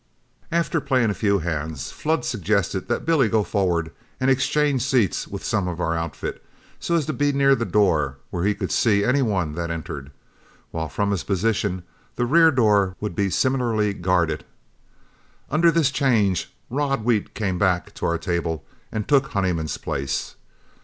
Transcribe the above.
After playing a few hands, Flood suggested that Billy go forward and exchange seats with some of our outfit, so as to be near the door, where he could see any one that entered, while from his position the rear door would be similarly guarded. Under this change, Rod Wheat came back to our table and took Honeyman's place.